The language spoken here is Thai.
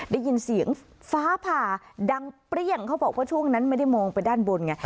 ได้ยินเสียงฟ้าผ่าดังเปรี้ยงเขาบอกว่าช่วงนั้นไม่ได้มองไปด้านบนไง